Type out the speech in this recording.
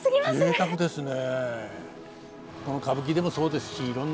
ぜいたくですね。